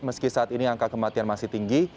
meski saat ini angka kematian masih tinggi